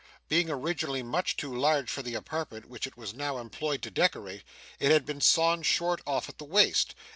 Being originally much too large for the apartment which it was now employed to decorate, it had been sawn short off at the waist.